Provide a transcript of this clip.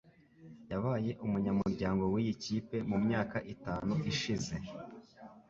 Yabaye umunyamuryango wiyi kipe mu myaka itanu ishize.